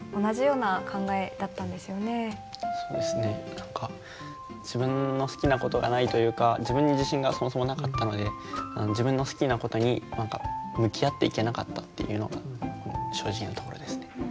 何か自分の好きなことがないというか自分に自信がそもそもなかったので自分の好きなことに向き合っていけなかったっていうのが正直なところですね。